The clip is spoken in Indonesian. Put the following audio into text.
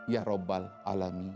ya rabbal alamin